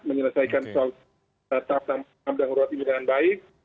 menyelesaikan soal tahap nama nama urat ini dengan baik